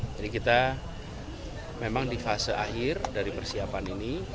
jadi kita memang di fase akhir dari persiapan ini